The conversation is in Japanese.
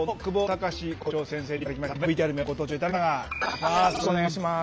よろしくお願いします。